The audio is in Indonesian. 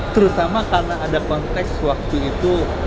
terutama karena ada konteks waktu itu